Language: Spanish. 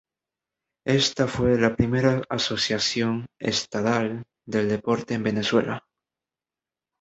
Esta fue la primera asociación estadal del deporte en Venezuela.